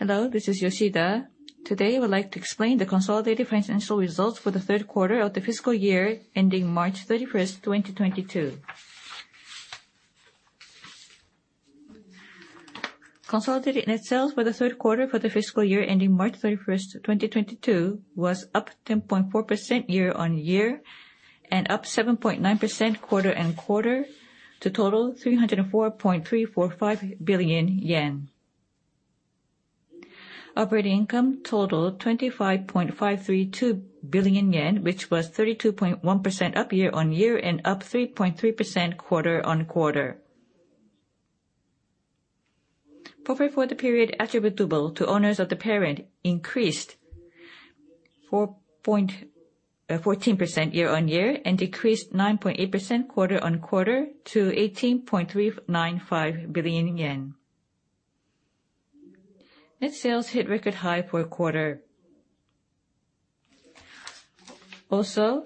Hello, this is Yoshida. Today, I would like to explain the consolidated financial results for the third quarter of the fiscal year ending March 31st, 2022. Consolidated net sales for the third quarter for the fiscal year ending March 31st, 2022 was up 10.4% year-on-year, and up 7.9% quarter-on-quarter to total 304.345 billion yen. Operating income totaled 25.532 billion yen, which was 32.1% up year-on-year and up 3.3% quarter-on-quarter. Profit for the period attributable to owners of the parent increased 14% year-on-year and decreased 9.8% quarter-on-quarter to 18.395 billion yen. Net sales hit record high for a quarter.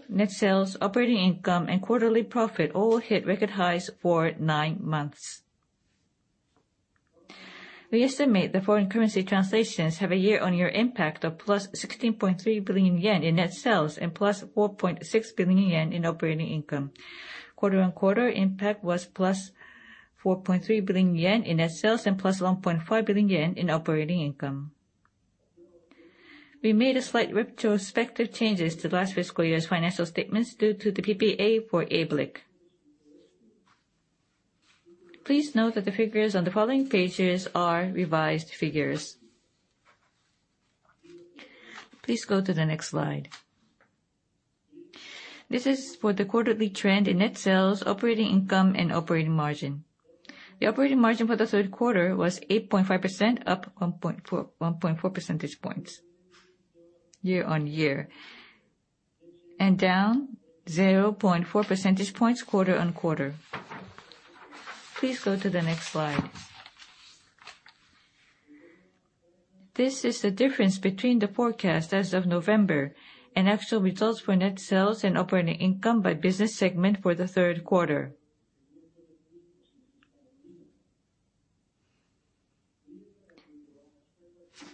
Net sales, operating income, and quarterly profit all hit record highs for nine months. We estimate the foreign currency translations have a year-on-year impact of +16.3 billion yen in net sales and +4.6 billion yen in operating income. Quarter-on-quarter impact was +4.3 billion yen in net sales and +1.5 billion yen in operating income. We made a slight retrospective changes to last fiscal year's financial statements due to the PPA for ABLIC. Please note that the figures on the following pages are revised figures. Please go to the next slide. This is for the quarterly trend in net sales, operating income, and operating margin. The operating margin for the third quarter was 8.5% up 1.4 percentage points year-on-year, and down 0.4 percentage points quarter-on-quarter. Please go to the next slide. This is the difference between the forecast as of November and actual results for net sales and operating income by business segment for the third quarter.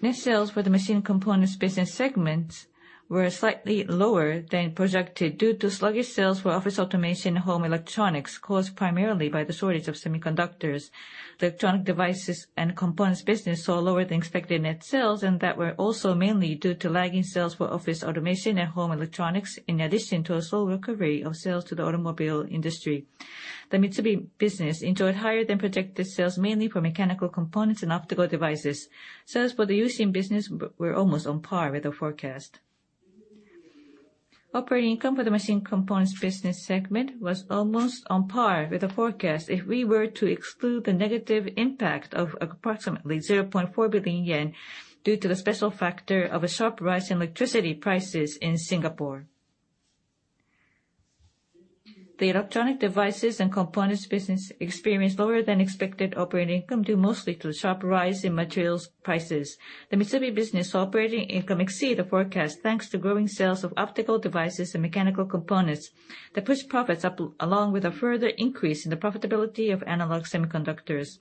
Net sales for the Machine Components business segment were slightly lower than projected due to sluggish sales for office automation and home electronics caused primarily by the shortage of semiconductors. The Electronic Devices and Components business saw lower than expected net sales, and that were also mainly due to lagging sales for office automation and home electronics in addition to a slow recovery of sales to the automobile industry. The MITSUMI business enjoyed higher than projected sales mainly for mechanical components and optical devices. Sales for the U-Shin business were almost on par with the forecast. Operating income for the Machine Components business segment was almost on par with the forecast if we were to exclude the negative impact of approximately 0.4 billion yen due to the special factor of a sharp rise in electricity prices in Singapore. The Electronic Devices and Components business experienced lower than expected operating income due mostly to the sharp rise in materials prices. The MITSUMI business operating income exceeded the forecast, thanks to growing sales of optical devices and mechanical components that pushed profits up along with a further increase in the profitability of analog semiconductors.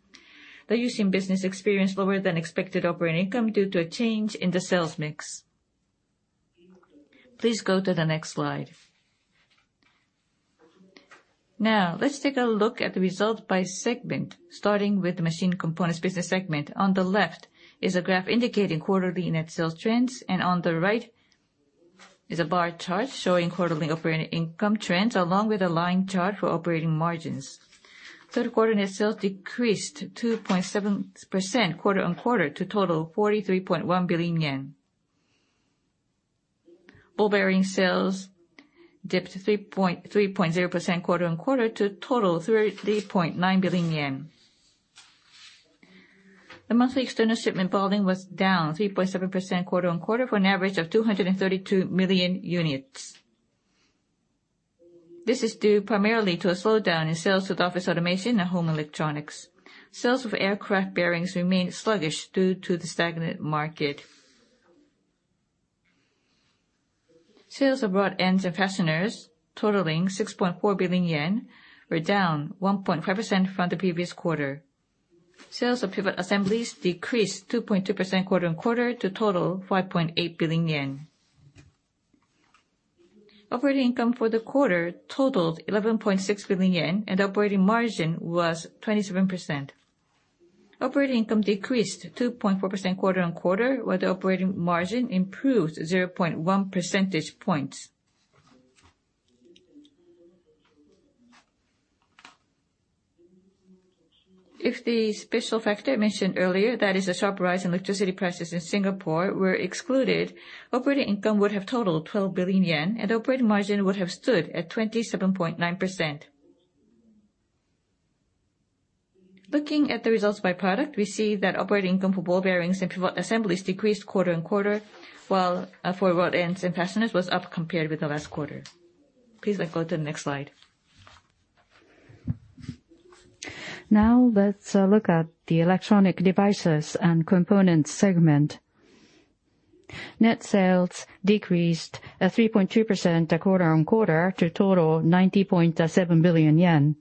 The U-Shin business experienced lower than expected operating income due to a change in the sales mix. Please go to the next slide. Now, let's take a look at the results by segment, starting with the Machine Components business segment. On the left is a graph indicating quarterly net sales trends, and on the right is a bar chart showing quarterly operating income trends along with a line chart for operating margins. Third quarter net sales decreased 2.7% quarter-on-quarter to total 43.1 billion yen. Ball bearing sales dipped 3.0% quarter-on-quarter to total JPY 33.9 billion. The monthly external shipment volume was down 3.7% quarter-on-quarter for an average of 232 million units. This is due primarily to a slowdown in sales with office automation and home electronics. Sales of aircraft bearings remain sluggish due to the stagnant market. Sales of rod ends and fasteners totaling 6.4 billion yen were down 1.5% from the previous quarter. Sales of pivot assemblies decreased 2.2% quarter-on-quarter to total 5.8 billion yen. Operating income for the quarter totaled 11.6 billion yen, and operating margin was 27%. Operating income decreased 2.4% quarter-on-quarter, while the operating margin improved 0.1 percentage points. If the special factor mentioned earlier, that is the sharp rise in electricity prices in Singapore, were excluded, operating income would have totaled 12 billion yen and operating margin would have stood at 27.9%. Looking at the results by product, we see that operating income for Ball Bearings and Pivot Assemblies decreased quarter-on-quarter, while for rod ends and fasteners was up compared with the last quarter. Please now go to the next slide. Now let's look at the Electronic Devices and Components segment. Net sales decreased 3.2% quarter-on-quarter to total 90.7 billion yen.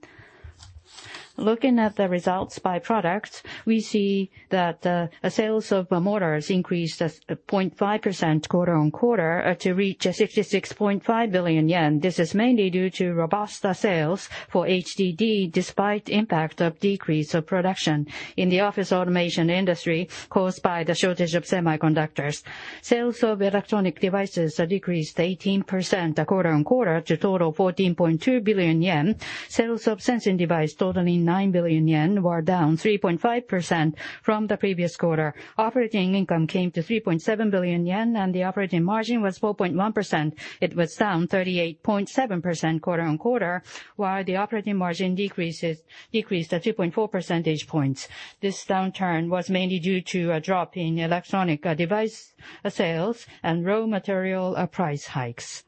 Looking at the results by products, we see that sales of motors increased at 0.5% quarter-on-quarter to reach 66.5 billion yen. This is mainly due to robust sales for HDD despite impact of decrease of production in the office automation industry caused by the shortage of semiconductors. Sales of electronic devices are decreased 18% quarter-on-quarter to total 14.2 billion yen. Sales of sensing device totaling 9 billion yen were down 3.5% from the previous quarter. Operating income came to 3.7 billion yen and the operating margin was 4.1%. It was down 38.7% quarter-on-quarter, while the operating margin decreased at 2.4 percentage points. This downturn was mainly due to a drop in electronic device sales and raw material price hikes.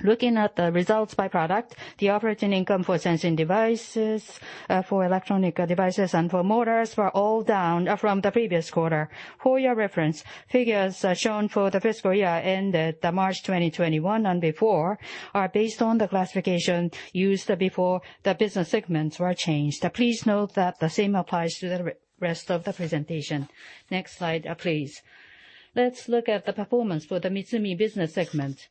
Looking at the results by product, the operating income for Sensing Devices, for Electronic Devices and for Motors were all down from the previous quarter. For your reference, figures shown for the fiscal year ended March 2021 and before are based on the classification used before the business segments were changed. Please note that the same applies to the rest of the presentation. Next slide, please. Let's look at the performance for the MITSUMI business segment.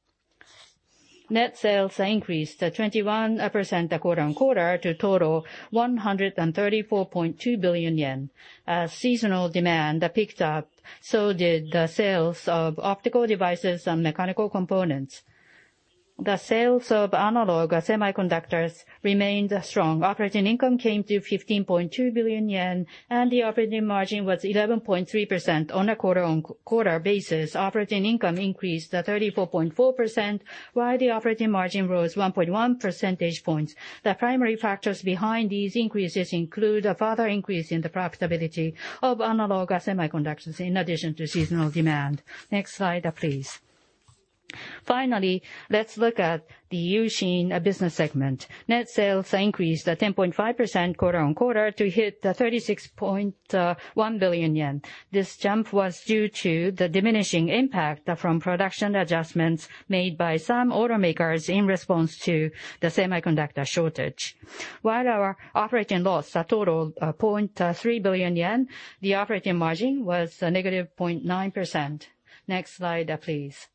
Net sales increased at 21% quarter-on-quarter to total 134.2 billion yen. As seasonal demand picked up, so did the sales of Optical Devices and mechanical components. The sales of Analog Semiconductors remained strong. Operating income came to 15.2 billion yen and the operating margin was 11.3% on a quarter-on-quarter basis. Operating income increased 34.4%, while the operating margin rose 1.1 percentage points. The primary factors behind these increases include a further increase in the profitability of Analog Semiconductors, in addition to seasonal demand. Next slide, please. Finally, let's look at the U-Shin business segment. Net sales increased 10.5% quarter-on-quarter to hit 36.1 billion yen. This jump was due to the diminishing impact from production adjustments made by some automakers in response to the semiconductor shortage. While our operating loss totaled 0.3 billion yen, the operating margin was -0.9%. Next slide, please.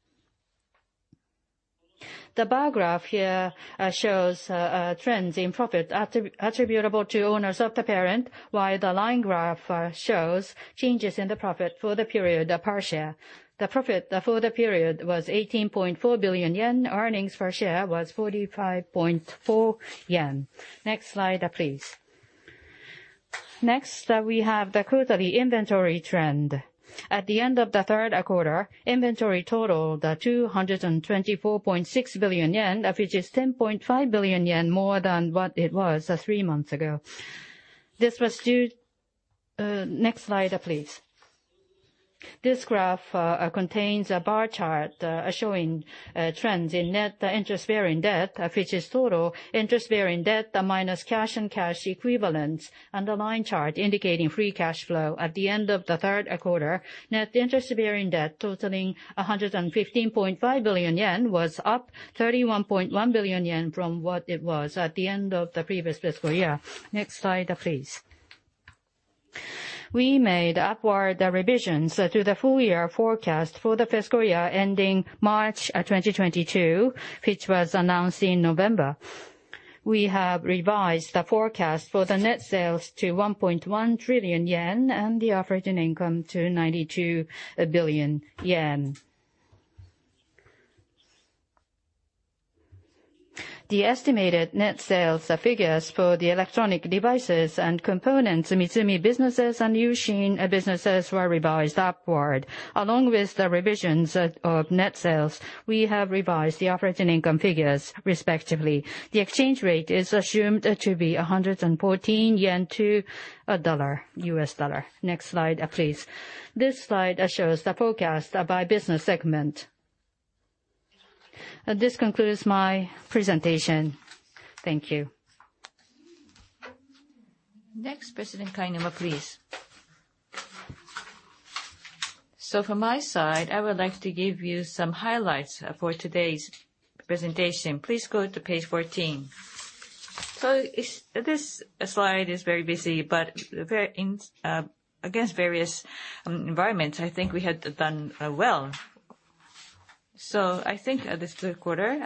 The bar graph here shows trends in profit attributable to owners of the parent, while the line graph shows changes in the profit for the period per share. The profit for the period was 18.4 billion yen. Earnings per share was 45.4 yen. Next slide, please. Next, we have the quarterly inventory trend. At the end of the third quarter, inventory totaled 224.6 billion yen, which is 10.5 billion yen more than what it was three months ago. Next slide, please. This graph contains a bar chart showing trends in net interest-bearing debt, which is total interest-bearing debt minus cash and cash equivalents, and a line chart indicating free cash flow. At the end of the third quarter, net interest bearing debt totaling 115.5 billion yen was up 31.1 billion yen from what it was at the end of the previous fiscal year. Next slide, please. We made upward revisions to the full year forecast for the fiscal year ending March 2022, which was announced in November. We have revised the forecast for the net sales to 1.1 trillion yen and the operating income to 92 billion yen. The estimated net sales figures for the Electronic Devices and Components, MITSUMI businesses and U-Shin businesses were revised upward. Along with the revisions of net sales, we have revised the operating income figures respectively. The exchange rate is assumed to be 114 yen to a dollar, U.S. dollar. Next slide, please. This slide shows the forecast by business segment. This concludes my presentation. Thank you. Next, President Kainuma, please. From my side, I would like to give you some highlights for today's presentation. Please go to page 14. This slide is very busy, but very well against various environments. I think we have done well. I think this third quarter,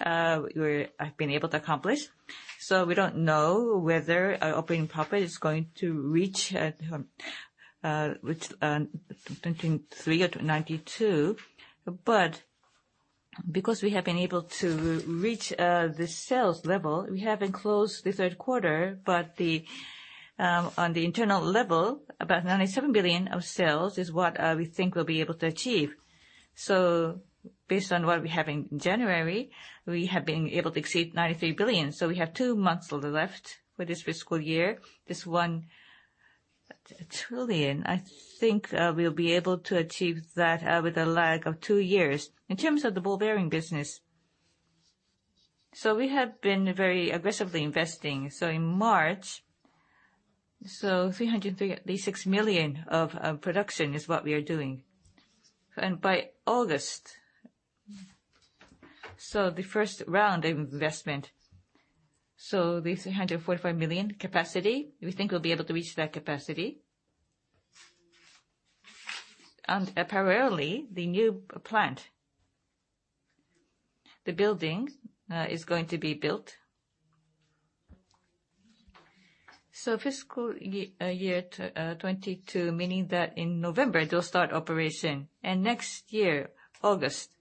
we've been able to accomplish. We don't know whether our operating profit is going to reach between 30 billion or 32 billion. Because we have been able to reach the sales level, we haven't closed the third quarter, but on the internal level, about 97 billion of sales is what we think we'll be able to achieve. Based on what we have in January, we have been able to exceed 93 billion. We have two months left for this fiscal year. 1 trillion, I think, we'll be able to achieve that, with a lag of two years. In terms of the ball bearing business, we have been very aggressively investing. In March, 336 million of production is what we are doing. By August, the first round of investment, the 345 million capacity, we think we'll be able to reach that capacity. Parallelly, the new plant, the building, is going to be built. Fiscal year 2022, meaning that in November, they'll start operation. Next year, August,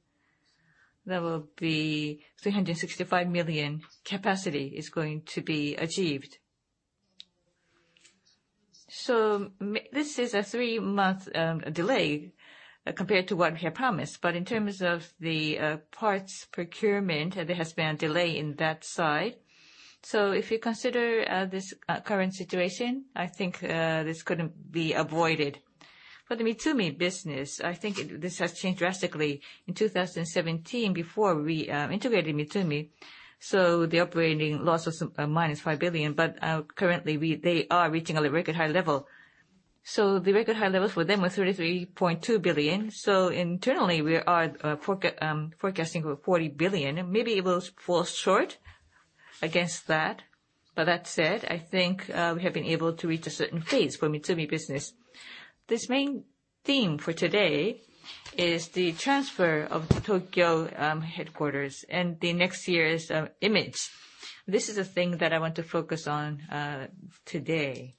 there will be 365 million capacity is going to be achieved. This is a three-month delay compared to what we have promised. In terms of the parts procurement, there has been a delay in that side. If you consider this current situation, I think this couldn't be avoided. For the MITSUMI business, I think this has changed drastically. In 2017, before we integrated MITSUMI, the operating loss was -5 billion, but currently they are reaching a record high level. The record high levels for them were 33.2 billion. Internally, we are forecasting over 40 billion, and maybe it will fall short against that. That said, I think we have been able to reach a certain phase for MITSUMI business. This main theme for today is the transfer of the Tokyo headquarters and the next year's image. This is the thing that I want to focus on today.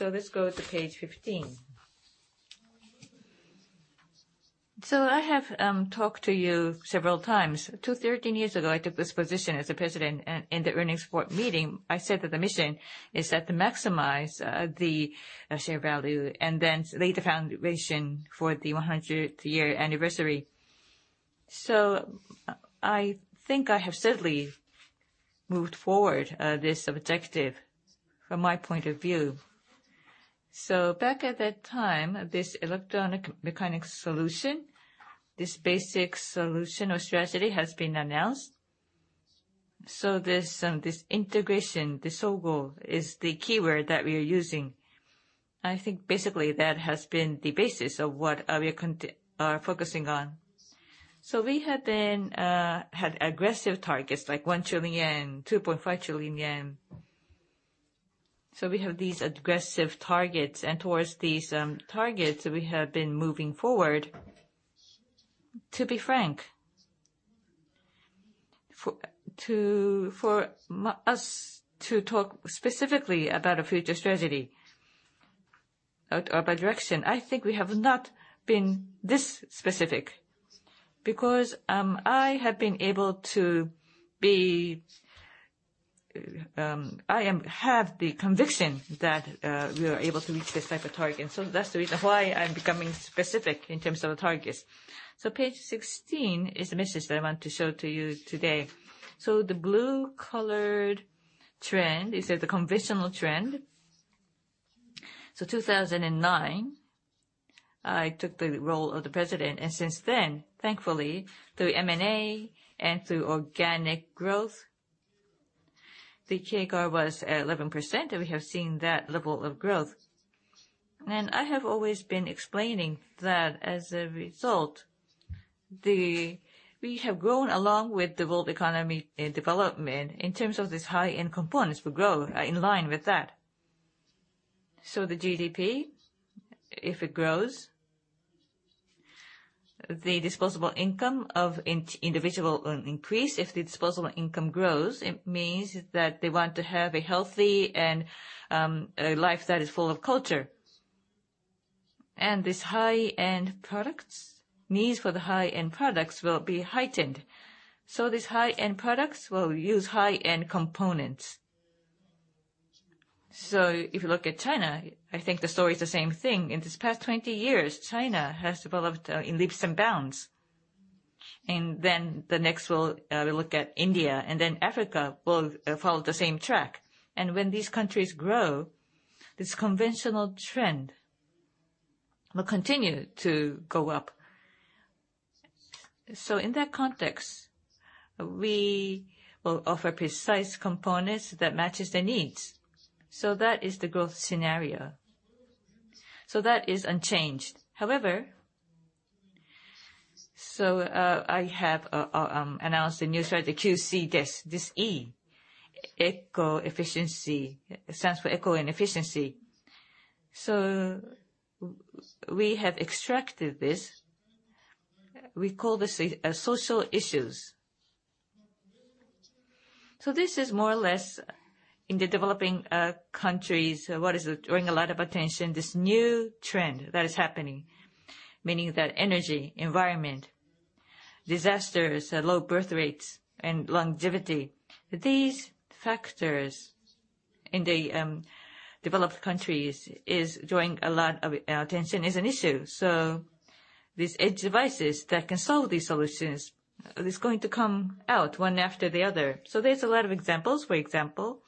Let's go to page 15. I have talked to you several times. 13 years ago, I took this position as the President, and in the earnings report meeting, I said that the mission is to maximize the share value and then lay the foundation for the 100th year anniversary. I think I have certainly moved forward this objective from my point of view. Back at that time, this Electro Mechanics Solutions, this basic solution or strategy, has been announced. This Sogo is the keyword that we are using. I think basically that has been the basis of what we are focusing on. We have had aggressive targets, like 1 trillion yen, 2.5 trillion yen. We have these aggressive targets, and towards these targets, we have been moving forward. To be frank, for us to talk specifically about a future strategy or our direction, I think we have not been this specific because I have the conviction that we are able to reach this type of target. That's the reason why I'm becoming specific in terms of the targets. Page 16 is the message that I want to show to you today. The blue-colored trend is the conventional trend. In 2009, I took the role of the President, and since then, thankfully, through M&A and through organic growth, the CAGR was at 11%, and we have seen that level of growth. I have always been explaining that as a result, we have grown along with the world economy and development. In terms of these high-end components, we grow in line with that. The GDP, if it grows, the disposable income of individual will increase. If the disposable income grows, it means that they want to have a healthy and a life that is full of culture. The needs for these high-end products will be heightened. These high-end products will use high-end components. If you look at China, I think the story is the same thing. In this past 20 years, China has developed in leaps and bounds. Then we look at India, and then Africa will follow the same track. When these countries grow, this conventional trend will continue to go up. In that context, we will offer precise components that match their needs. That is the growth scenario. That is unchanged. However, I have announced the new strategy, QCDESS, this E, eco/efficiency. It stands for eco and efficiency. We have extracted this. We call this a social issues. This is more or less in the developed countries, what is drawing a lot of attention, this new trend that is happening, meaning that energy, environment, disasters, low birth rates, and longevity. These factors in the developed countries is drawing a lot of attention, is an issue. These edge devices that can solve these issues is going to come out one after the other. There's a lot of examples. For example,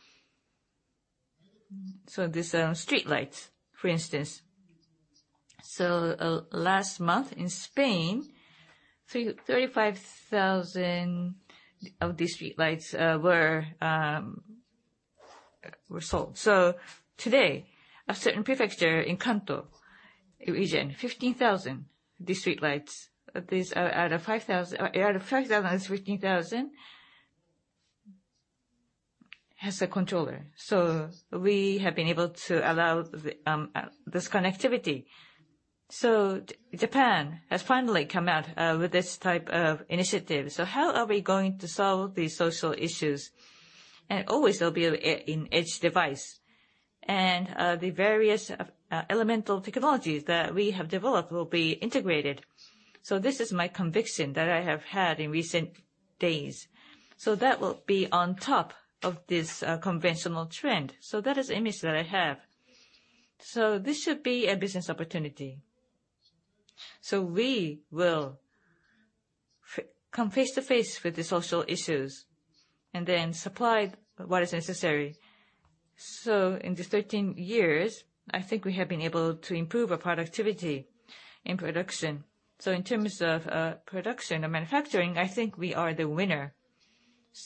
this streetlights, for instance. Last month in Spain, 35,000 of these streetlights were sold. Today, a certain prefecture in the Kanto region, 15,000 of these streetlights. 5,000 out of 15,000 have a controller. We have been able to allow this connectivity. Japan has finally come out with this type of initiative. How are we going to solve these social issues? Always there'll be an edge device. The various elemental technologies that we have developed will be integrated. This is my conviction that I have had in recent days. That will be on top of this conventional trend. That is the image that I have. This should be a business opportunity. We will come face to face with the social issues and then supply what is necessary. In these 13 years, I think we have been able to improve our productivity and production. In terms of production and manufacturing, I think we are the winner.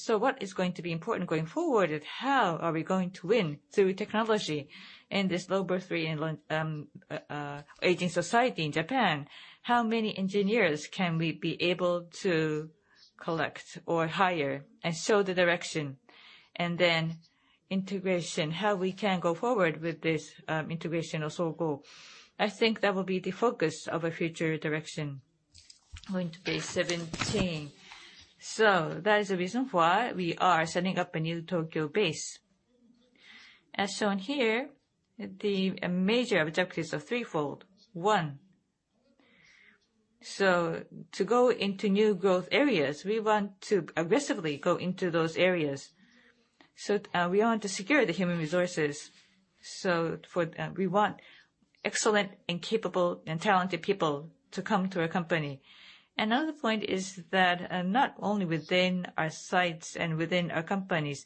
What is going to be important going forward is how are we going to win through technology in this low birth rate and aging society in Japan? How many engineers can we be able to collect or hire and show the direction? Integration, how we can go forward with this integration of Sogo. I think that will be the focus of a future direction. Going to page 17. That is the reason why we are setting up a new Tokyo base. As shown here, the major objectives are threefold. One, to go into new growth areas, we want to aggressively go into those areas. We want to secure the human resources. For that, we want excellent and capable and talented people to come to our company. Another point is that, not only within our sites and within our companies,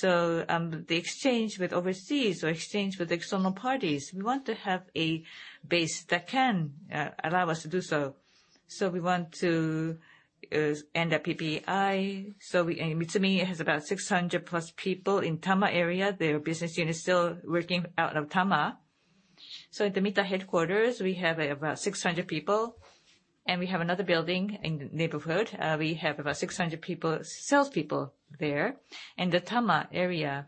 the exchange with overseas or exchange with external parties, we want to have a base that can allow us to do so. We want to end up PMI. MITSUMI has about 600 plus people in Tama area. Their business unit is still working out of Tama. At the Mita headquarters, we have about 600 people, and we have another building in the neighborhood. We have about 600 people, salespeople there. In the Tama area,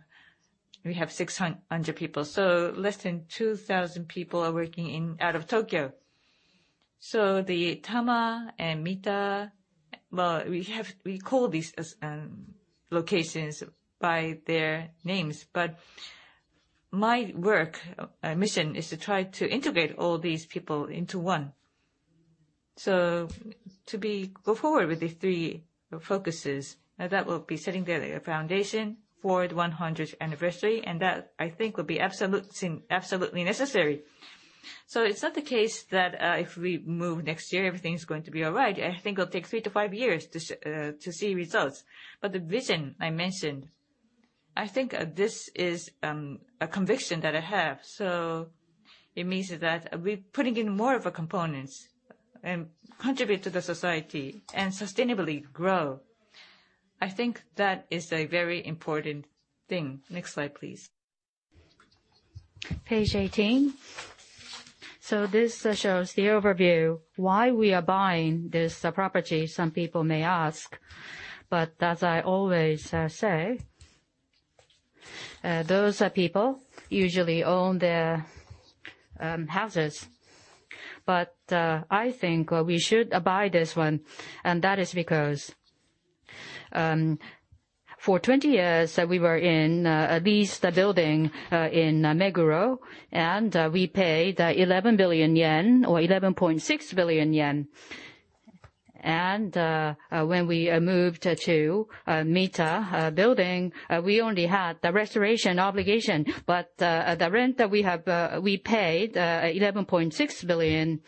we have 600 people. Less than 2,000 people are working in, out of Tokyo. The Tama and Mita, well, we have, we call these as locations by their names. But my work mission is to try to integrate all these people into one. To go forward with the three focuses, now that we'll be setting the foundation for the 100th anniversary, and that I think will be absolutely necessary. It's not the case that if we move next year, everything's going to be all right. I think it'll take three to five years to see results. But the vision I mentioned, I think this is a conviction that I have. It means that we're putting in more of a components and contribute to the society and sustainably grow. I think that is a very important thing. Next slide, please. Page 18. This shows the overview why we are buying this property, some people may ask. As I always say, those are people usually own their houses. I think we should buy this one, and that is because, for 20 years that we were leased the building in Meguro, and we paid 11 billion yen or 11.6 billion yen. When we moved to Mita building, we only had the restoration obligation. The rent that we paid 11.6 billion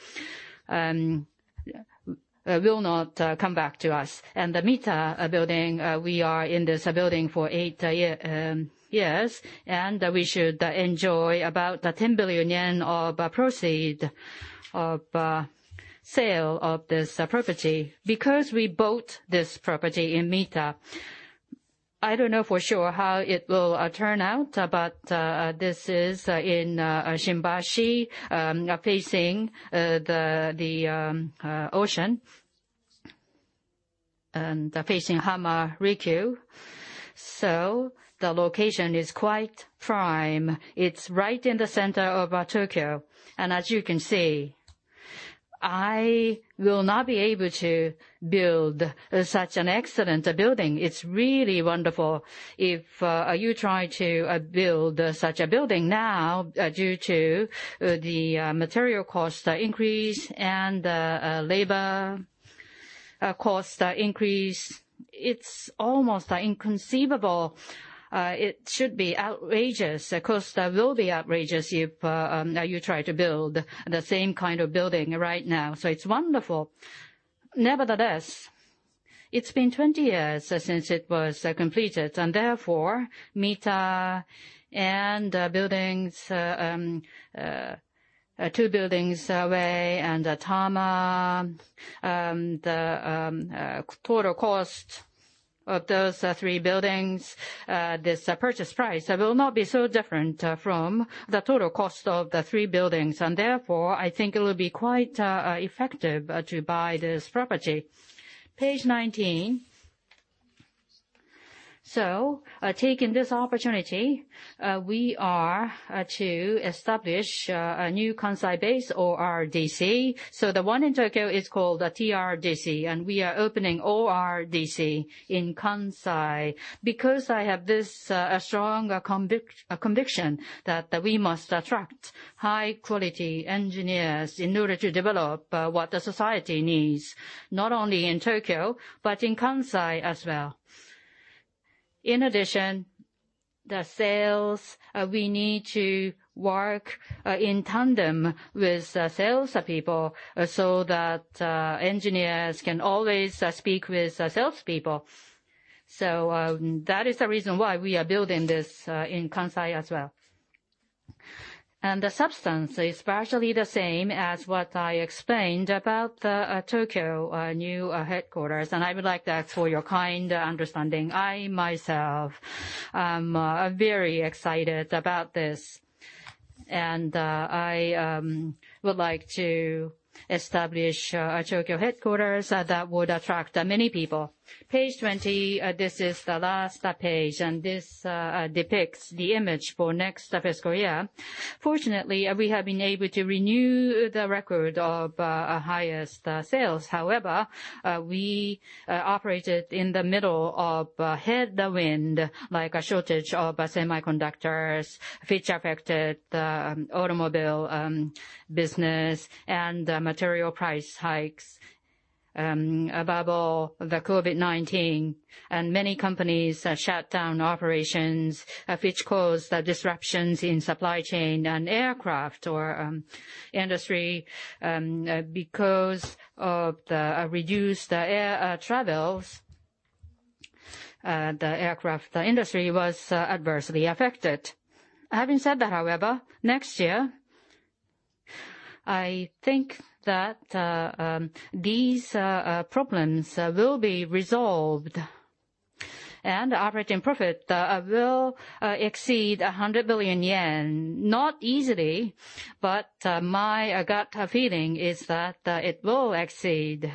will not come back to us. The Mita building, we are in this building for eight years, and we should enjoy about 10 billion yen of proceeds of sale of this property. Because we bought this property in Mita, I don't know for sure how it will turn out, but this is in Shimbashi, facing the ocean and facing Hama-rikyu. The location is quite prime. It's right in the center of Tokyo. As you can see, I will not be able to build such an excellent building. It's really wonderful if you try to build such a building now due to the material cost increase and labor cost increase. It's almost inconceivable. It should be outrageous. Of course, that will be outrageous if you try to build the same kind of building right now. It's wonderful. Nevertheless, it's been 20 years since it was completed, and therefore Mita and buildings two buildings away and Tama, the total cost of those three buildings, this purchase price will not be so different from the total cost of the three buildings. Therefore, I think it will be quite effective to buy this property. Page 19. Taking this opportunity, we are to establish a new Kansai base ORDC. The one in Tokyo is called TRDC, and we are opening ORDC in Kansai. Because I have this strong conviction that we must attract high-quality engineers in order to develop what the society needs, not only in Tokyo, but in Kansai as well. In addition, the sales, we need to work in tandem with salespeople so that engineers can always speak with salespeople. That is the reason why we are building this in Kansai as well. The substance is virtually the same as what I explained about the Tokyo new headquarters. I would like to ask for your kind understanding. I myself am very excited about this. I would like to establish our Tokyo headquarters that would attract many people. Page 20. This is the last page, and this depicts the image for next fiscal year. Fortunately, we have been able to renew the record of highest sales. However, we operated in the middle of a headwind, like a shortage of semiconductors, which affected the automobile business and material price hikes. Above all, the COVID-19 and many companies shut down operations, which caused disruptions in supply chain and aircraft industry because of the reduced air travels. The aircraft industry was adversely affected. Having said that, however, next year, I think that these problems will be resolved and operating profit will exceed 100 billion yen, not easily, but my gut feeling is that it will exceed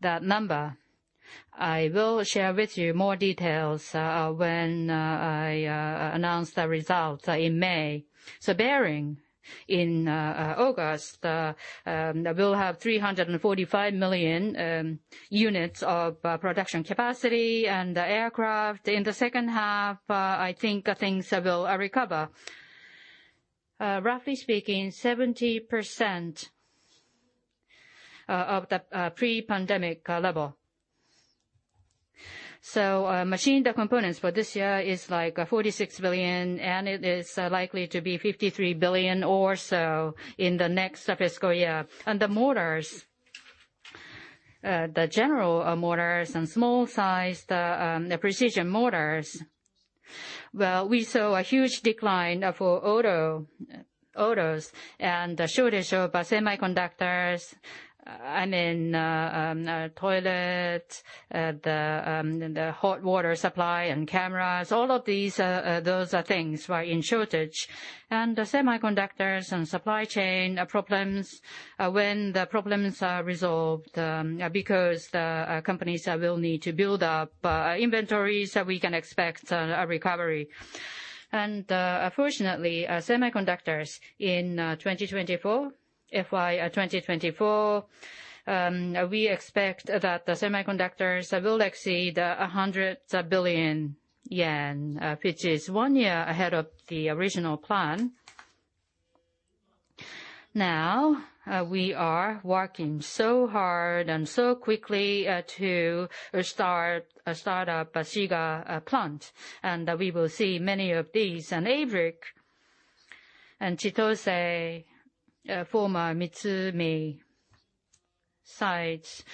that number. I will share with you more details when I announce the results in May. For bearings in August, we'll have 345 million units of production capacity for aircraft bearings. In the second half, I think things will recover. Roughly speaking, 70% of the pre-pandemic level. Mechanical components for this year is like 46 billion, and it is likely to be 53 billion or so in the next fiscal year. The motors, the general motors and small size, the precision motors. We saw a huge decline for autos and the shortage of semiconductors and in toilet the hot water supply and cameras, all of these, those things were in shortage. The semiconductors and supply chain problems, when the problems are resolved, because the companies will need to build up inventories, we can expect a recovery. Fortunately, semiconductors in 2024, FY 2024, we expect that the semiconductors will exceed 100 billion yen, which is one year ahead of the original plan. Now, we are working so hard and so quickly to start a Shiga plant, and we will see many of these. Averyx and Chitose, former MITSUMI sites,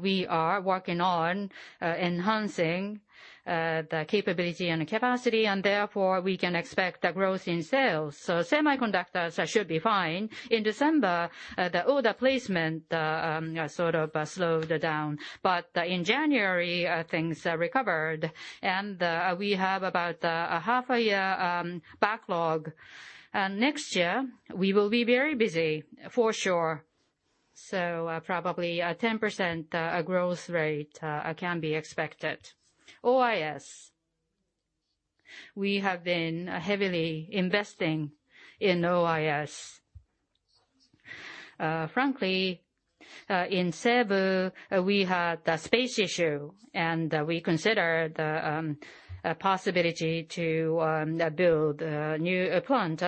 we are working on enhancing the capability and capacity, and therefore we can expect a growth in sales. Semiconductors should be fine. In December, the order placement sort of slowed down. In January, things recovered, and we have about a half a year backlog. Next year, we will be very busy for sure. Probably a 10% growth rate can be expected. OIS. We have been heavily investing in OIS. Frankly, in Cebu, we had the space issue, and we considered the possibility to build a new plant.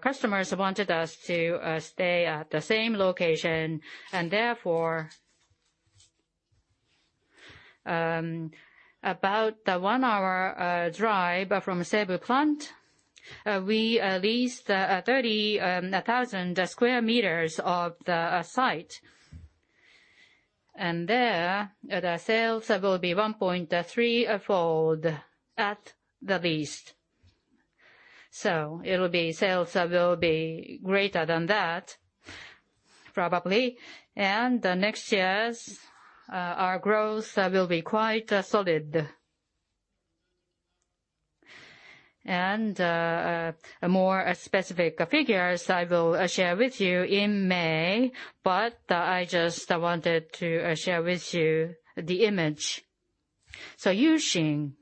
Customers wanted us to stay at the same location, and therefore, about the 1-hour drive from Cebu plant, we leased 30,000 sq m of the site. There, the sales will be 1.3-fold at the least. It'll be sales that will be greater than that, probably. Next year, our growth will be quite solid. More specific figures I will share with you in May, but I just wanted to share with you the image. U-Shin.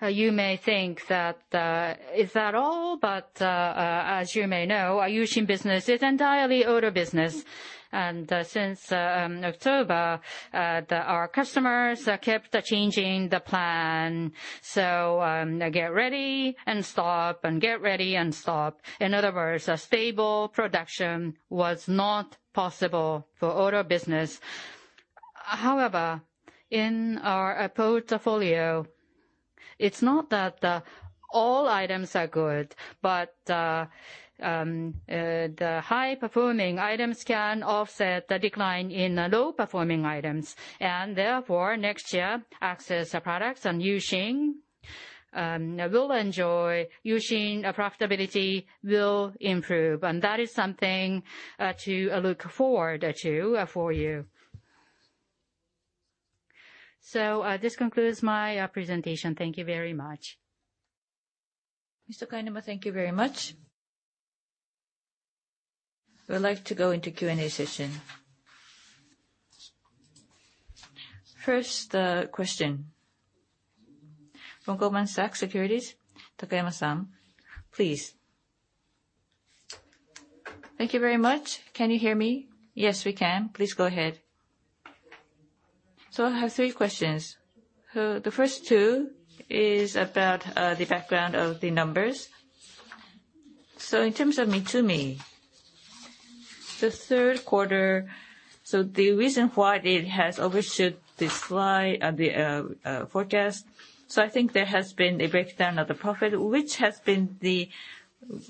You may think that is that all? As you may know, our U-Shin business is entirely auto business. Since October, our customers kept changing the plan. Get ready and stop. In other words, a stable production was not possible for auto business. However, in our portfolio, it's not that all items are good, but the high-performing items can offset the decline in low-performing items. Therefore, next year Access Solutions and U-Shin profitability will improve. That is something to look forward to for you. This concludes my presentation. Thank you very much. Mr. Kainuma, thank you very much. We'd like to go into Q&A session. First question from Goldman Sachs, Takayama-san, please. Thank you very much. Can you hear me? Yes, we can. Please go ahead. I have three questions. The first two is about the background of the numbers. In terms of MITSUMI, the third quarter, the reason why it has overshot the forecast. I think there has been a breakdown of the profit, which has been the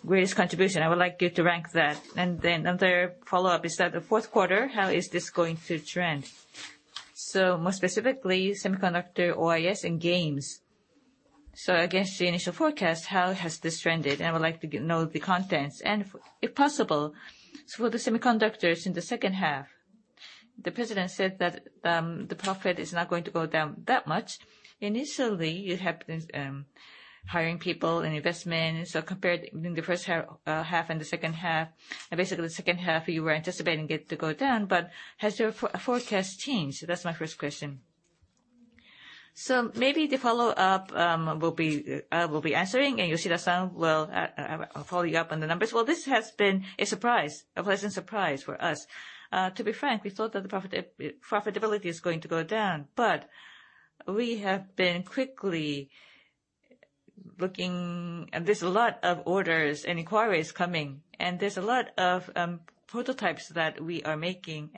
greatest contribution. I would like you to rank that. Another follow-up is that the fourth quarter, how is this going to trend? More specifically, semiconductor, OIS, and games. Against the initial forecast, how has this trended? I would like to know the contents. If possible, for the semiconductors in the second half, the president said that, the profit is not going to go down that much. Initially, you have been hiring people and investments. Compared in the first half and the second half, and basically the second half, you were anticipating it to go down. Has your forecast changed? That's my first question. Maybe the follow-up will be, I will be answering, and Yoshida-san will follow you up on the numbers. Well, this has been a surprise, a pleasant surprise for us. To be frank, we thought that profitability is going to go down, but we have been quickly looking. There's a lot of orders and inquiries coming, and there's a lot of prototypes that we are making.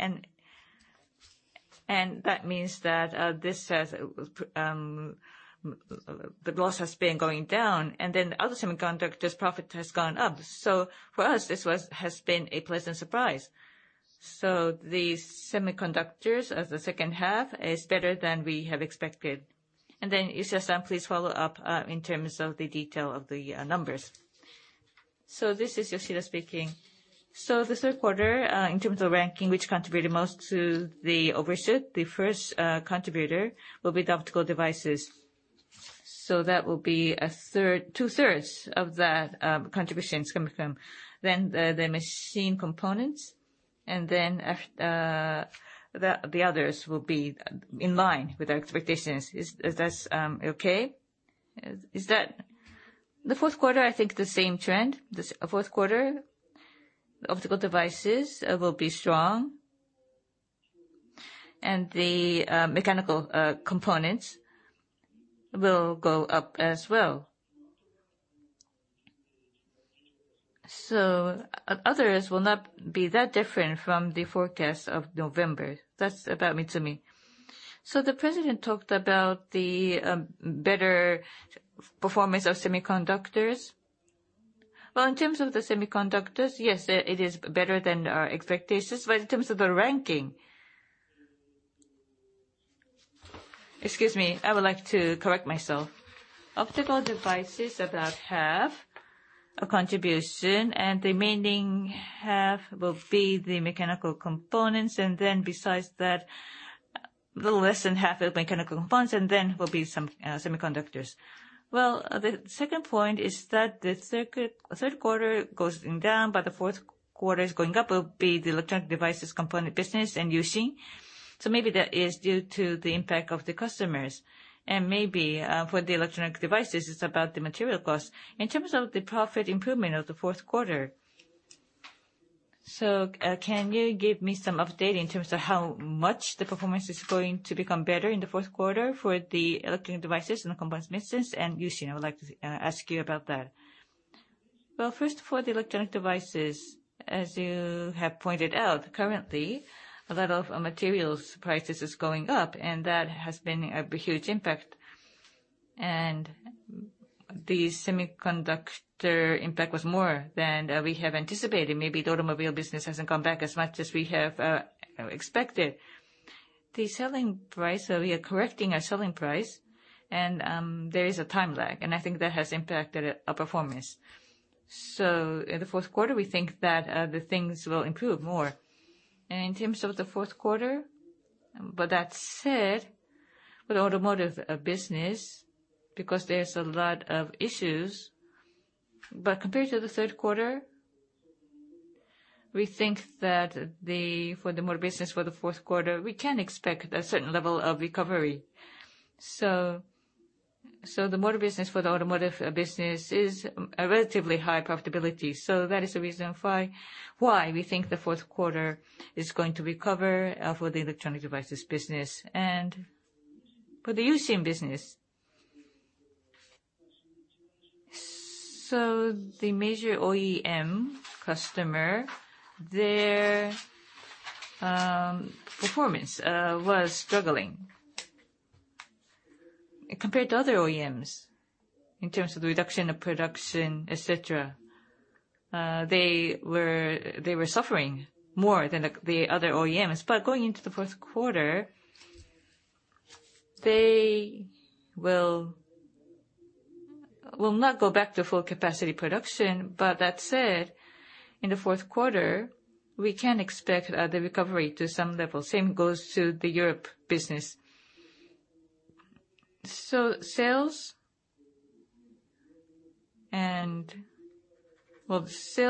That means that the loss has been going down, and then other semiconductors' profit has gone up. For us, this has been a pleasant surprise. The semiconductors of the second half is better than we have expected. Then, Yoshida-san, please follow up in terms of the detail of the numbers. This is Yoshida speaking. The third quarter, in terms of ranking, which contributed most to the overshoot, the first contributor will be the Optical Devices. That will be 2/3 of that contributions coming from. Then the mechanical components, and then the others will be in line with our expectations. Is this okay? For the fourth quarter, I think the same trend. This fourth quarter, Optical Devices will be strong, and the mechanical components will go up as well. Others will not be that different from the forecast of November. That's about MITSUMI. The president talked about the better performance of semiconductors. Well, in terms of the semiconductors, yes, it is better than our expectations. In terms of the ranking. Excuse me, I would like to correct myself. Optical Devices about half a contribution, and the remaining half will be the mechanical components. Besides that, a little less than half of mechanical components, and then will be some semiconductors. Well, the second point is that the current third quarter goes down, but the fourth quarter is going up will be the Electronic Devices and Components business and U-Shin. Maybe that is due to the impact of the customers. Maybe for the electronic devices, it's about the material cost. In terms of the profit improvement of the fourth quarter, can you give me some update in terms of how much the performance is going to become better in the fourth quarter for the Electronic Devices and Components business and U-Shin? I would like to ask you about that. Well, first for the electronic devices, as you have pointed out, currently a lot of materials prices is going up and that has been a huge impact. The semiconductor impact was more than we have anticipated. Maybe the automobile business hasn't come back as much as we have expected. The selling price, we are correcting our selling price, and there is a time lag, and I think that has impacted our performance. In the fourth quarter, we think that the things will improve more. In terms of the fourth quarter, but that said, with automotive business, because there's a lot of issues, but compared to the third quarter, we think that for the motor business for the fourth quarter, we can expect a certain level of recovery. The motor business for the automotive business is a relatively high profitability, so that is the reason why we think the fourth quarter is going to recover for the electronic devices business. For the MITSUMI business, the major OEM customer, their performance was struggling compared to other OEMs in terms of the reduction of production, et cetera. They were suffering more than the other OEMs. Going into the fourth quarter, they will not go back to full capacity production. That said, in the fourth quarter, we can expect the recovery to some level. Same goes to the Europe business. Sales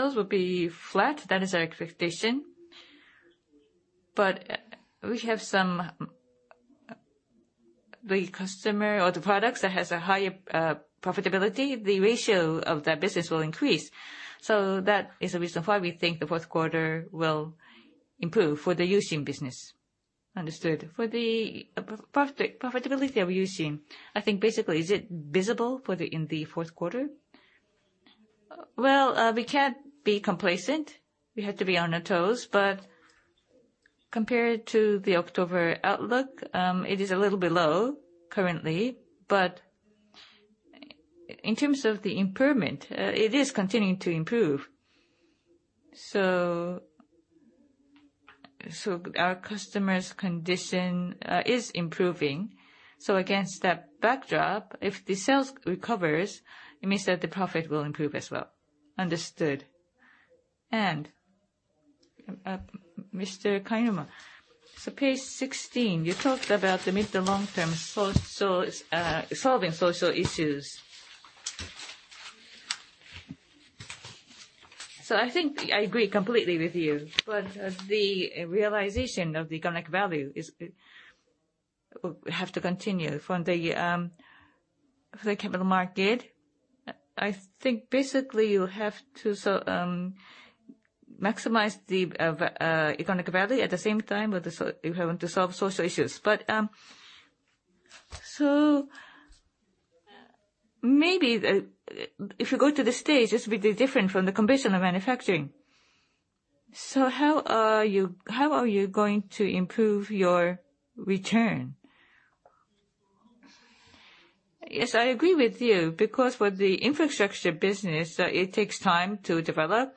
will be flat. That is our expectation. We have some. The customer or the products that has a higher profitability, the ratio of that business will increase. That is the reason why we think the fourth quarter will improve for the MITSUMI business. Understood. For the profitability of MITSUMI, I think basically, is it visible in the fourth quarter? Well, we can't be complacent. We have to be on our toes. Compared to the October outlook, it is a little below currently, but in terms of the improvement, it is continuing to improve. Our customers' condition is improving. Against that backdrop, if the sales recovers, it means that the profit will improve as well. Understood. Mr. Kainuma, so page 16, you talked about the mid to long-term solutions solving social issues. I think I agree completely with you, but the realization of the economic value is, have to continue from the, for the capital market. I think basically you have to maximize the economic value at the same time you're going to solve social issues. Maybe if you go to the stage, it will be different from the condition of manufacturing. How are you going to improve your return? Yes, I agree with you because for the infrastructure business it takes time to develop and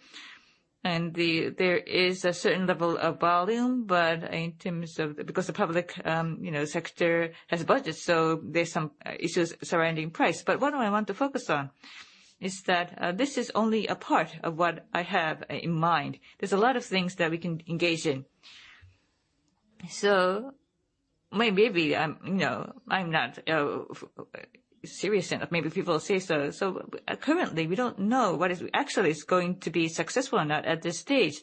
there is a certain level of volume, but in terms of the public, you know, sector has a budget, so there's some issues surrounding price. What do I want to focus on is that this is only a part of what I have in mind. There's a lot of things that we can engage in. Maybe I'm, you know, I'm not serious enough. Maybe people will say so. Currently, we don't know what actually is going to be successful or not at this stage.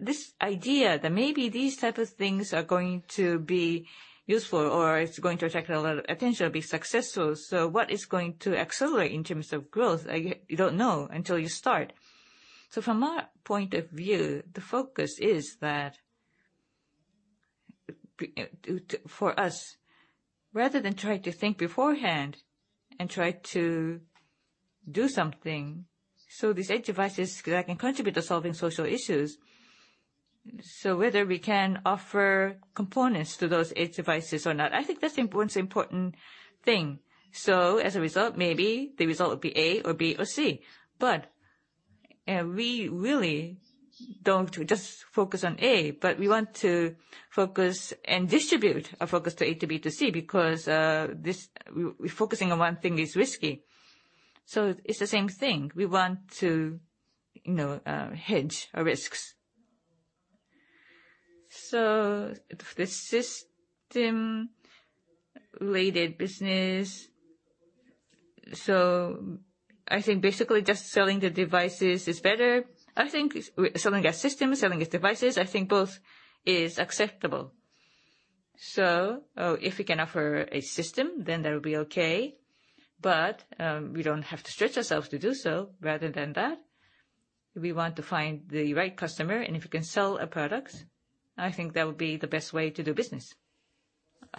This idea that maybe these type of things are going to be useful or it's going to attract a lot of attention or be successful. What is going to accelerate in terms of growth, you don't know until you start. From our point of view, the focus is that for us, rather than trying to think beforehand and try to do something, these edge devices that can contribute to solving social issues. Whether we can offer components to those edge devices or not, I think that's the important thing. As a result, maybe the result would be A or B or C. We really don't just focus on A, but we want to focus and distribute our focus to A, to B, to C, because focusing on one thing is risky. It's the same thing. We want to, you know, hedge our risks. The system-related business, so I think basically just selling the devices is better. I think selling a system, selling its devices, I think both is acceptable. If we can offer a system, then that would be okay, but we don't have to stretch ourselves to do so. Rather than that, we want to find the right customer, and if we can sell a product, I think that would be the best way to do business.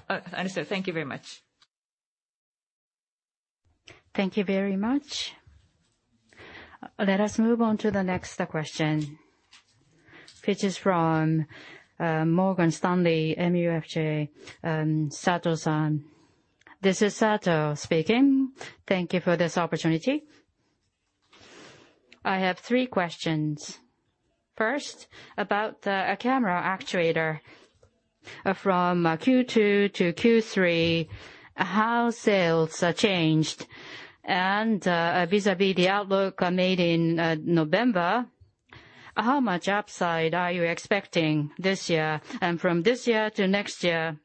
Understood. Thank you very much. Let us move on to the next question, which is from Morgan Stanley MUFG, Sato-san. This is Sato speaking. Thank you for this opportunity. I have three questions. First, about the camera actuator. From Q2 to Q3, how sales are changed? Vis-à-vis the outlook made in November, how much upside are you expecting this year and from this year to next year?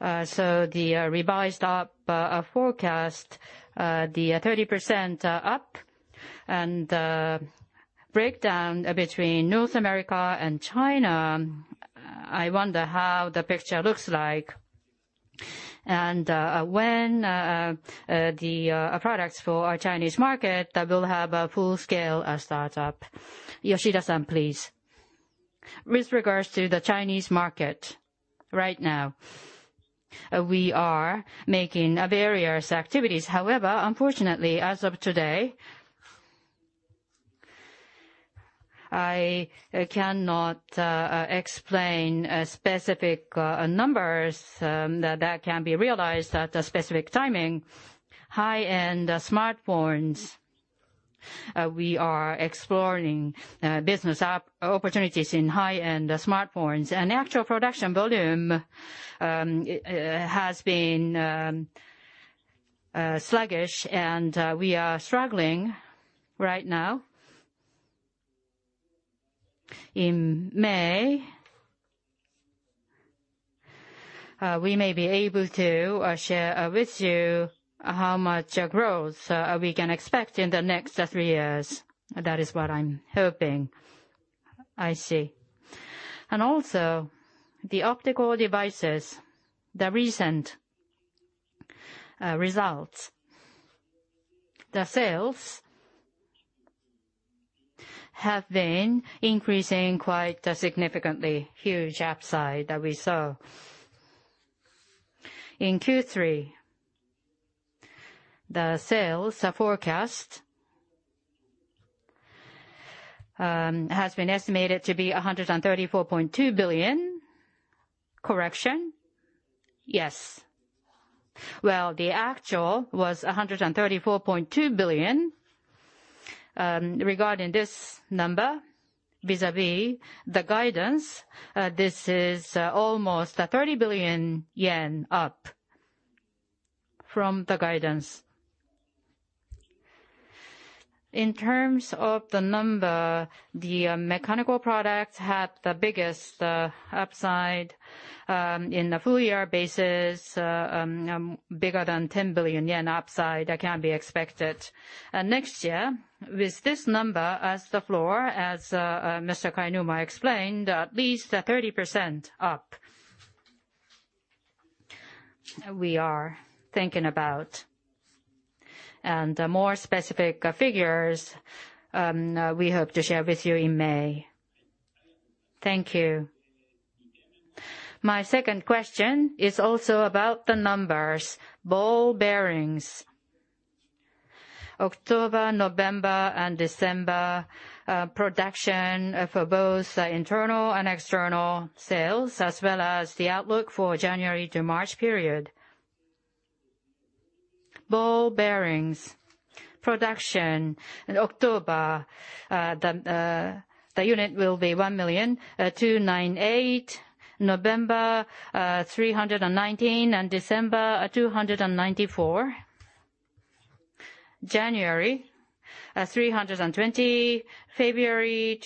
So the revised up forecast, the 30% up and breakdown between North America and China, I wonder how the picture looks like and when the products for our Chinese market that will have a full-scale startup. Yoshida-san, please. With regards to the Chinese market, right now, we are making various activities. However, unfortunately, as of today, I cannot explain specific numbers that can be realized at a specific timing. High-end smartphones, we are exploring business opportunities in high-end smartphones. The actual production volume has been sluggish, and we are struggling right now. In May, we may be able to share with you how much growth we can expect in the next three years. That is what I'm hoping. I see. Also, the Optical Devices, the recent results, the sales have been increasing quite significantly, huge upside that we saw. In Q3, the sales forecast has been estimated to be 134.2 billion. Correction? Yes. Well, the actual was 134.2 billion. Regarding this number, vis-à-vis the guidance, this is almost a 30 billion yen up from the guidance. In terms of the number, the mechanical products had the biggest upside in the full year basis, bigger than 10 billion yen upside can be expected. Next year, with this number as the floor, as Mr. Kainuma explained, at least 30% up, we are thinking about. More specific figures, we hope to share with you in May. Thank you. My second question is also about the numbers. Ball Bearings, October, November and December production for both internal and external sales as well as the outlook for January to March period. Ball Bearings production in October, the unit will be 1,298. November, 319. December, 294. January, 320. February,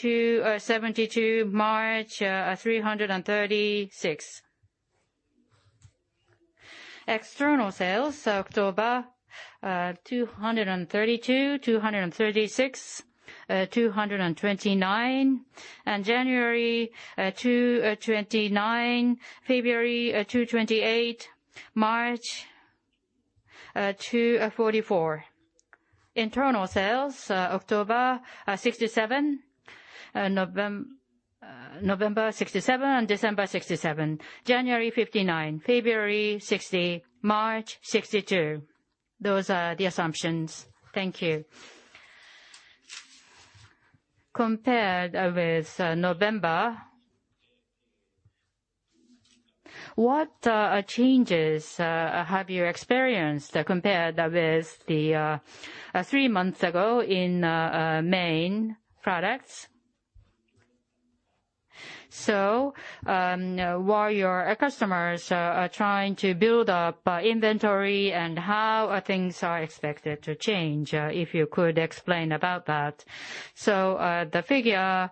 March, 336. External sales, October, 232, 236, 229. January, 229. February, 228. March, 244. Internal sales, October, 67. November, 67, and December, 67. January, 59. February, 60. March, 62. Those are the assumptions. Thank you. Compared with November, what changes have you experienced compared with the three months ago in main products? While your customers are trying to build up inventory and how things are expected to change, if you could explain about that. The figure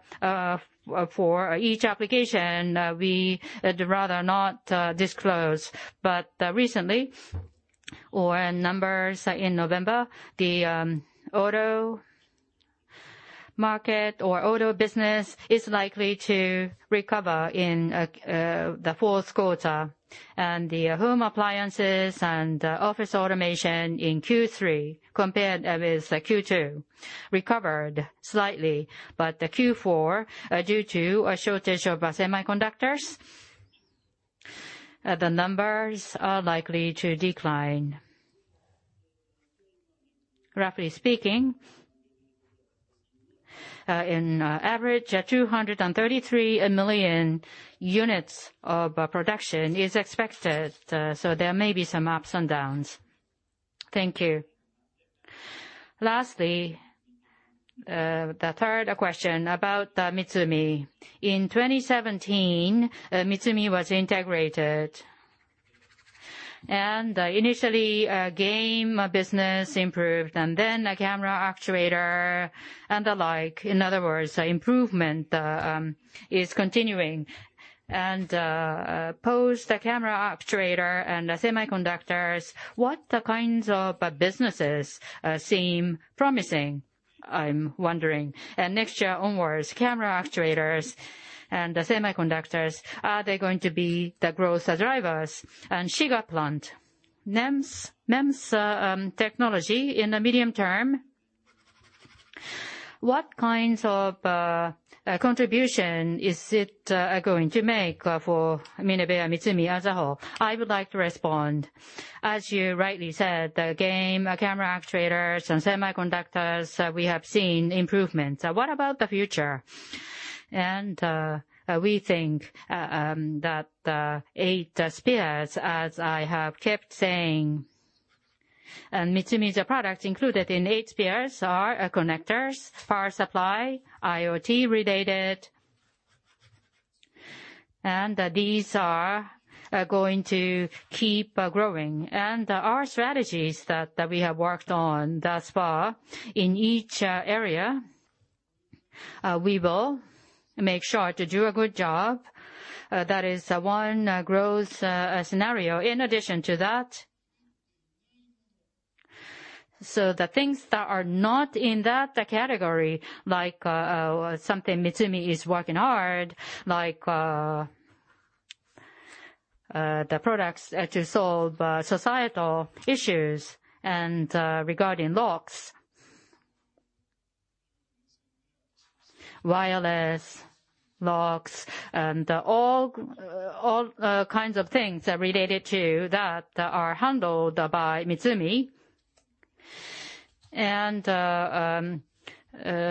for each application, we'd rather not disclose. But recently, our numbers in November, the auto market or auto business is likely to recover in the fourth quarter. The home appliances and office automation in Q3 compared with Q2 recovered slightly. The Q4, due to a shortage of semiconductors, the numbers are likely to decline. Roughly speaking, in average, 233 million units of production is expected, so there may be some ups and downs. Thank you. Lastly, the third question about MITSUMI. In 2017, MITSUMI was integrated. Initially, game business improved, and then the camera actuator and the like. In other words, improvement is continuing. Post camera actuator and semiconductors, what kinds of businesses seem promising, I'm wondering? Next year onwards, camera actuators and semiconductors, are they going to be the growth drivers? Shiga plant, MEMS technology in the medium term, what kinds of contribution is it going to make for MinebeaMitsumi as a whole? I would like to respond. As you rightly said, the game, camera actuators, and semiconductors, we have seen improvements. What about the future? We think that the Eight Spears, as I have kept saying, and MITSUMI's products included in Eight Spears are connectors, power supply, IoT-related, and these are going to keep growing. Our strategies that we have worked on thus far in each area we will make sure to do a good job. That is one growth scenario. In addition to that, the things that are not in that category, like something MITSUMI is working hard, like the products to solve societal issues and regarding locks. Wireless locks and all kinds of things related to that are handled by MITSUMI.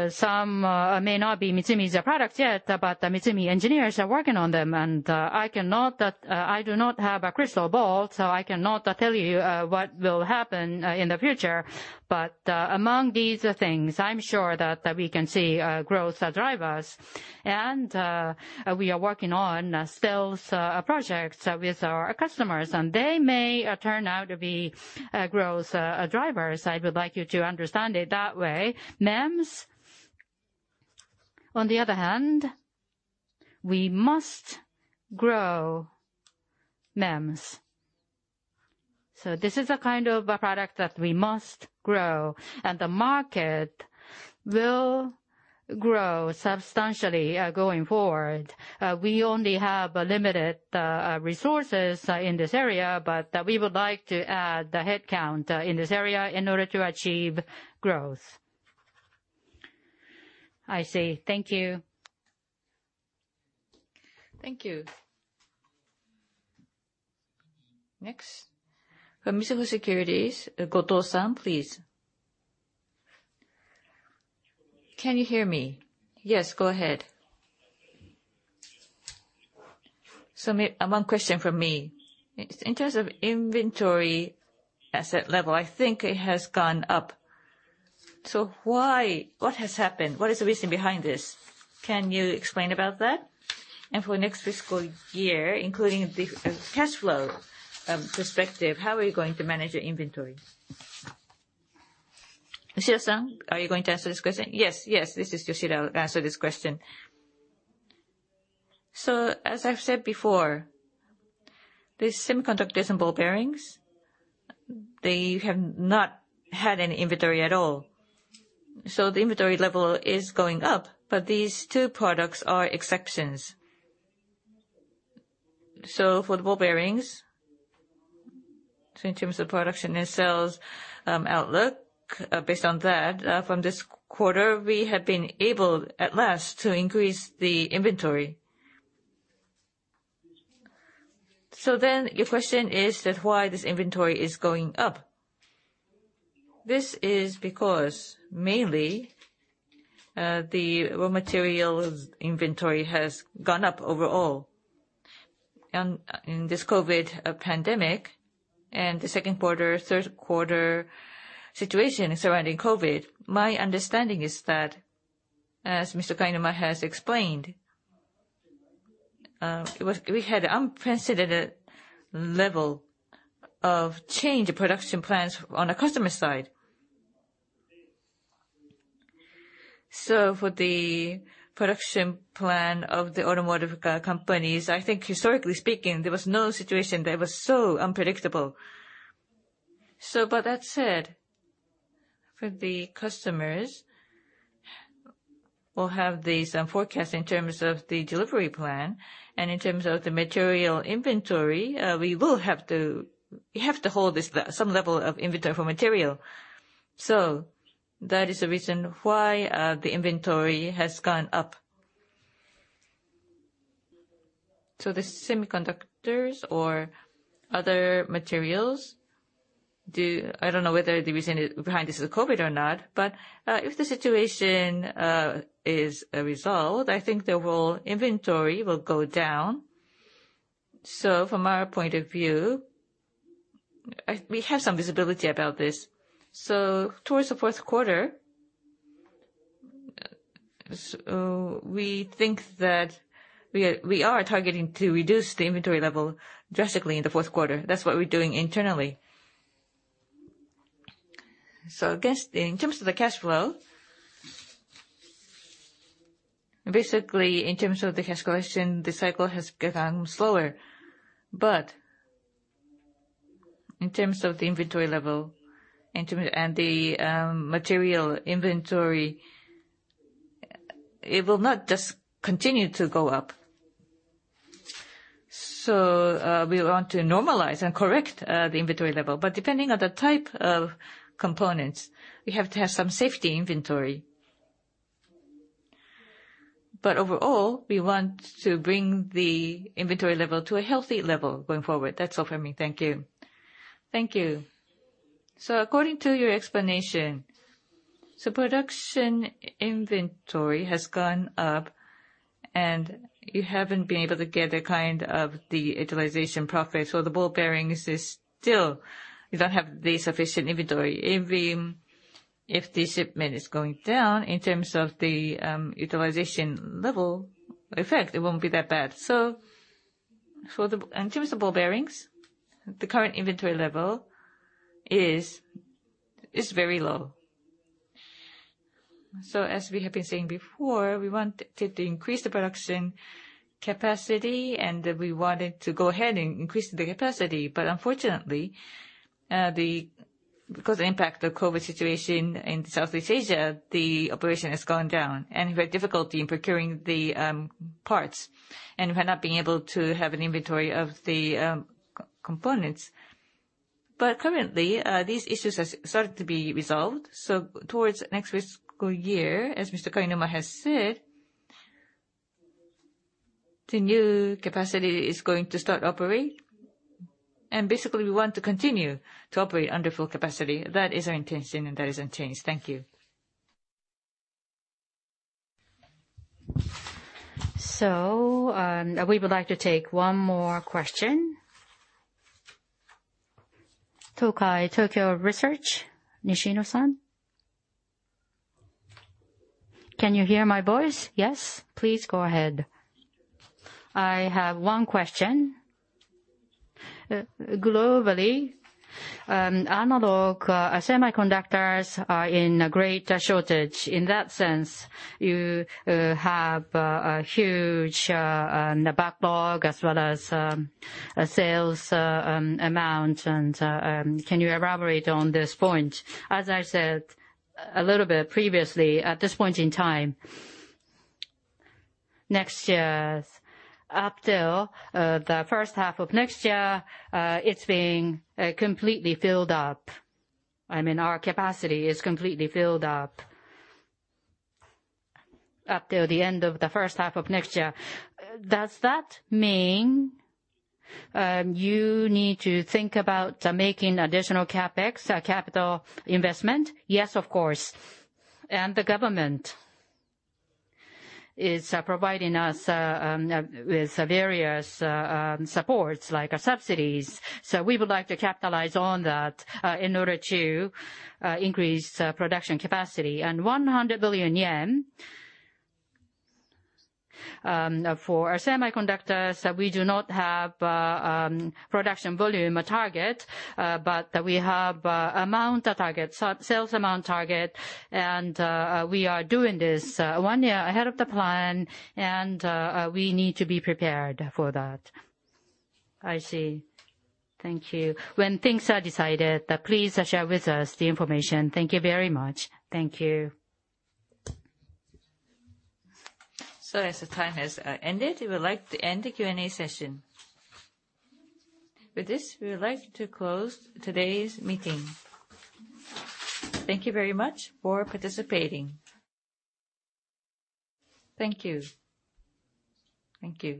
Some may not be MITSUMI's products yet, but the MITSUMI engineers are working on them. I do not have a crystal ball, so I cannot tell you what will happen in the future. Among these things, I'm sure that we can see growth drivers. We are working on sales projects with our customers, and they may turn out to be growth drivers. I would like you to understand it that way. MEMS, on the other hand, we must grow MEMS. This is a kind of a product that we must grow, and the market will grow substantially going forward. We only have limited resources in this area, but we would like to add the headcount in this area in order to achieve growth. I see. Thank you. Thank you. Next, from Mitsubishi Securities, Goto-san, please. Can you hear me? Yes, go ahead. My question. In terms of inventory asset level, I think it has gone up. Why? What has happened? What is the reason behind this? Can you explain about that? For next fiscal year, including the cash flow perspective, how are you going to manage your inventory? Yoshida-san, are you going to answer this question? This is Yoshida. I'll answer this question. As I've said before, the semiconductors and ball bearings, they have not had any inventory at all. The inventory level is going up, but these two products are exceptions. For the ball bearings, in terms of production and sales outlook, based on that, from this quarter, we have been able at last to increase the inventory. Your question is that why this inventory is going up. This is because mainly, the raw materials inventory has gone up overall. In this COVID-19 pandemic and the second quarter, third quarter situation surrounding COVID-19, my understanding is that, as Mr. Kainuma has explained, we had unprecedented level of changes in production plans on the customer side. For the production plan of the automotive companies, I think historically speaking, there was no situation that was so unpredictable. But that said, for the customers, we'll have these forecasts in terms of the delivery plan. In terms of the material inventory, we have to hold some level of inventory for material. That is the reason why the inventory has gone up. The semiconductors or other materials. I don't know whether the reason behind this is COVID or not, but if the situation is resolved, I think the raw inventory will go down. From our point of view, we have some visibility about this. Towards the fourth quarter, we think that we are targeting to reduce the inventory level drastically in the fourth quarter. That's what we're doing internally. I guess in terms of the cash flow, basically in terms of the cash collection, the cycle has gotten slower. In terms of the inventory level and the material inventory, it will not just continue to go up. We want to normalize and correct the inventory level, but depending on the type of components, we have to have some safety inventory. Overall, we want to bring the inventory level to a healthy level going forward. That's all from me. Thank you. Thank you. According to your explanation, production inventory has gone up and you haven't been able to get the kind of the utilization profit, the Ball Bearings is still, you don't have the sufficient inventory. If the shipment is going down in terms of the utilization level effect, it won't be that bad. In terms of Ball Bearings, the current inventory level is very low. As we have been saying before, we wanted to increase the production capacity and we wanted to go ahead and increase the capacity, but unfortunately, because the impact of COVID-19 situation in Southeast Asia, the operation has gone down and we had difficulty in procuring the parts and we're not being able to have an inventory of the components. Currently, these issues have started to be resolved, so towards next fiscal year, as Mr. Kainuma has said, the new capacity is going to start operating, and basically we want to continue to operate under full capacity. That is our intention, and that is unchanged. Thank you. We would like to take one more question. Tokai Tokyo Research, Nishino-san. Can you hear my voice? Yes. Please go ahead. I have one question. Globally, Analog Semiconductors are in great shortage. In that sense, you have a huge backlog as well as a sales amount and can you elaborate on this point? As I said a little bit previously, at this point in time, next year's, up till the first half of next year, it's being completely filled up. I mean, our capacity is completely filled up up till the end of the first half of next year. Does that mean, you need to think about making additional CapEx, capital investment? Yes, of course. The government is providing us with various supports like subsidies. We would like to capitalize on that in order to increase production capacity. JPY 100 billion for our semiconductors, we do not have production volume target, but we have amount target, sales amount target, and we are doing this one year ahead of the plan and we need to be prepared for that. I see. Thank you. When things are decided, please share with us the information. Thank you very much. Thank you. As the time has ended, we would like to end the Q&A session. With this, we would like to close today's meeting. Thank you very much for participating. Thank you. Thank you.